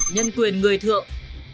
nhân quyền người thượng